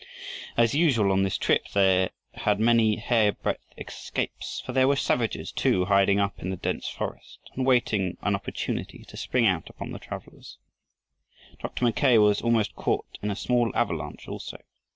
As usual on this trip they had many hairbreadth escapes, for there were savages too hiding up in the dense forest and waiting an opportunity to spring out upon the travelers. Dr. Mackay was almost caught in a small avalanche also.